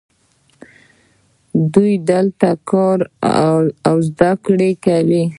دوی هلته کار او زده کړه کوي.